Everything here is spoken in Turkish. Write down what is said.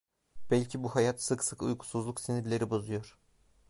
Belki bu hayat, sık sık uykusuzluk sinirleri bozuyor!